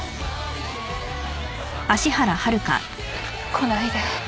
・来ないで。